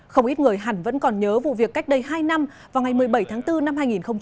không ít người hẳn vẫn còn nhớ vụ việc cách đây hai năm vào ngày một mươi bảy tháng bốn năm hai nghìn hai mươi